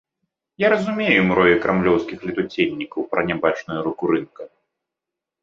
Я разумею мроі крамлёўскіх летуценнікаў пра нябачную руку рынка.